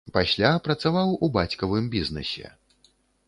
Пасля працаваў у бацькавым бізнэсе.